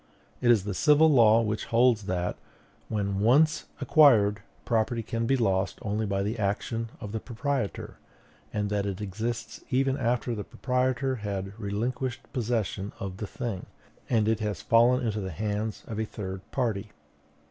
It is the civil law which holds that, when once acquired, property can be lost only by the action of the proprietor, and that it exists even after the proprietor has relinquished possession of the thing, and it has fallen into the hands of a third party.